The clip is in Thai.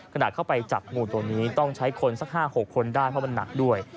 ขณะเข้าไปจับงูตัวนี้ต้องใช้คนสัก๕๖คนได้เพราะมันหนักด้วย